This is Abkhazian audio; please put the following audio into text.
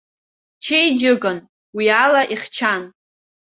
Чеиџьыкан, уи ала ихьчан.